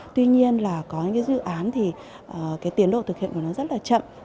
tuy nhiên là có những dự án thì cái tiến độ thực hiện của nó rất là chậm